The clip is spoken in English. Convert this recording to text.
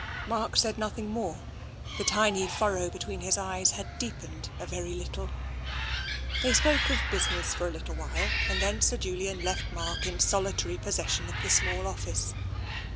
Mark said nothing more. The tiny furrow between his eyes had deepened a very little. They spoke of business for a little while and then Sir Julian left Mark in solitary possession of the small office.